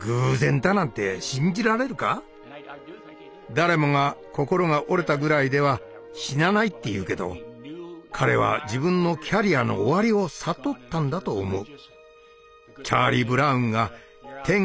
誰もが心が折れたぐらいでは死なないって言うけど彼は自分のキャリアの終わりを悟ったんだと思う。